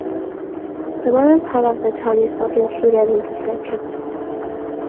The modern part of the town is not included in the circuit.